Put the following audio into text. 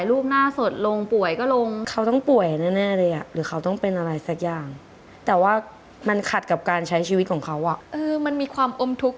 ดูจากรูปแล้วชีวิตเขาดีมั้ย